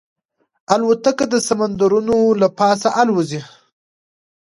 الوتکه د سمندرونو له پاسه الوزي.